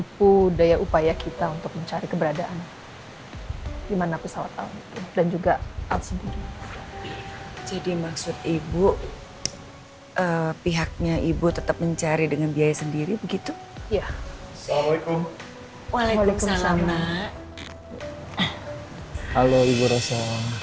hai halo ibu rasa